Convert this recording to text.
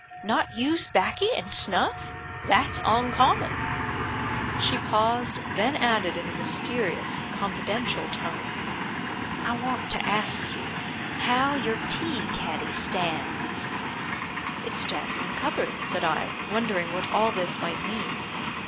Not use backy and snuff? That's oncommon." She paused, then added in a mysterious, confidential tone "I want to ask you how your tea caddy stands?" "It stands in the cupboard," said I, wondering what all this might mean.